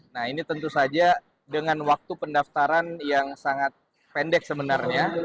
nah ini tentu saja dengan waktu pendaftaran yang sangat pendek sebenarnya